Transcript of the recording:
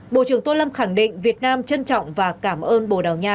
bộ trưởng tô lâm khẳng định việt nam trân trọng và cảm ơn bồ đào nha